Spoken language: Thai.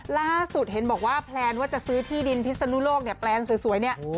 ล่าสุดเห็นบอกว่าแพลนว่าจะซื้อที่ดินพิศนุโลกเนี่ยแปลนสวยเนี่ย